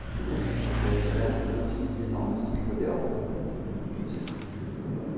Les sirènes sont aussi utilisées en musique moderne, e.g.